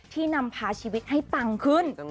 นำพาชีวิตให้ปังขึ้น